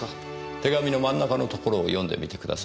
手紙の真ん中のところを読んでみてください。